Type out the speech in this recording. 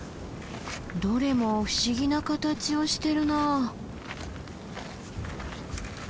どれも不思議な形をしてるな。